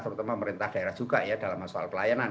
terutama pemerintah daerah juga ya dalam soal pelayanan